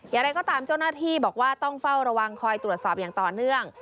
อย่างไรก็ตามเจ้าหน้าที่บอกว่าต้องเฝ้าระวังคอยตรวจสอบอย่างต่อเนื่อง